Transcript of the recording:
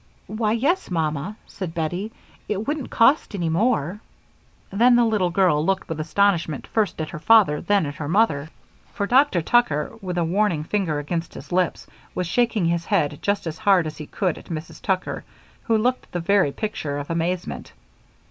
"Why, yes, Mamma," said Bettie. "It wouldn't cost any more." Then the little girl looked with astonishment first at her father and then at her mother, for Dr. Tucker, with a warning finger against his lips, was shaking his head just as hard as he could at Mrs. Tucker, who looked the very picture of amazement.